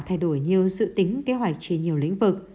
thay đổi nhiều dự tính kế hoạch trên nhiều lĩnh vực